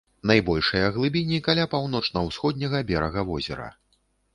Найбольшыя глыбіні каля паўночна-ўсходняга берага возера.